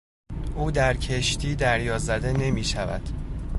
او در کشتی دریازده نمیشود.